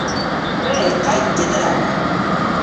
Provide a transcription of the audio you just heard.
— Бәй, ҡайт тиҙерәк.